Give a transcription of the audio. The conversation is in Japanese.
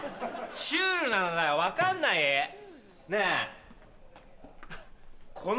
シュールなのだよ分かんない？ねぇ。